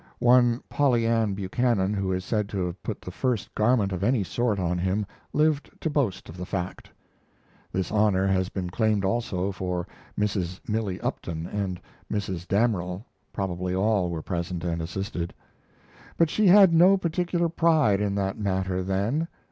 One Polly Ann Buchanan, who is said to have put the first garment of any sort on him, lived to boast of the fact, [This honor has been claimed also for Mrs. Millie Upton and a Mrs. Damrell. Probably all were present and assisted.] but she had no particular pride in that matter then.